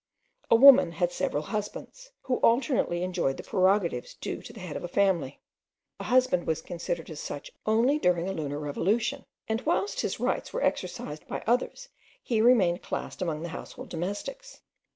A woman had several husbands, who alternately enjoyed the prerogatives due to the head of a family. A husband was considered as such only during a lunar revolution, and whilst his rights were exercised by others, he remained classed among the household domestics.